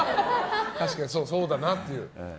確かにそうだなという。